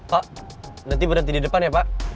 pak nanti berhenti di depan ya pak